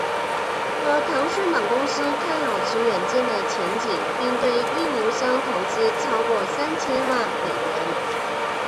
和腾讯等公司看好此软件的前景并对运营商投资超过三千万美元。